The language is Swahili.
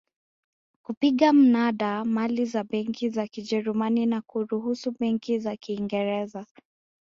kupiga mnada mali za benki za Kijerumani na kuruhusu benki za Kiingereza